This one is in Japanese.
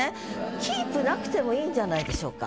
「キープ」なくてもいいんじゃないでしょうか。